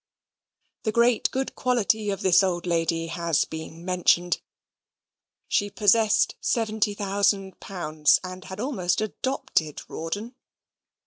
The great good quality of this old lady has been mentioned. She possessed seventy thousand pounds, and had almost adopted Rawdon.